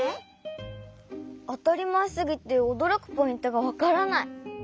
あたりまえすぎておどろくポイントがわからない。